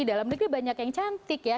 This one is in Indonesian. di dalam negeri banyak yang cantik ya